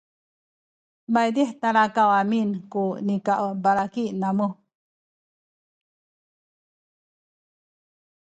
maydih talakaw amin ku nikabalaki namu